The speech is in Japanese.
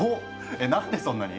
え何でそんなに？